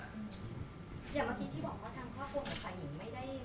อย่างเมื่อกี้ที่บอกว่าทำความโกหกกับฝ่ายหญิง